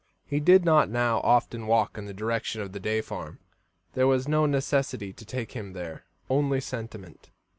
He did not now often walk in the direction of the Day farm; there was no necessity to take him there, only sentiment.